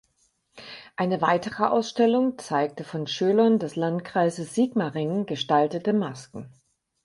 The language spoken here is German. Eine weitere Ausstellung zeigte von Schülern des Landkreises Sigmaringen gestaltete Masken.